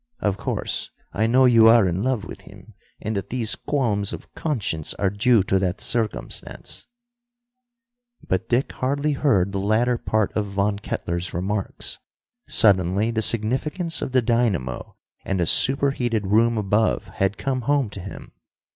Of course I know you are in love with him, and that these qualms of conscience are due to that circumstance." But Dick hardly heard the latter part of Von Kettler's remarks. Suddenly the significance of the dynamo and the superheated room above had come home to him.